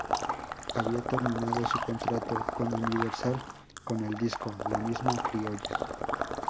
Había terminado su contrato con Universal con el disco "La Misa Criolla"".